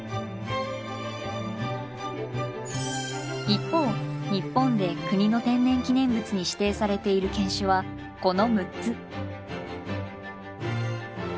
一方日本で国の天然記念物に指定されている犬種はこの６つ。